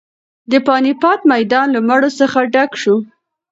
د پاني پت میدان له مړو څخه ډک شو.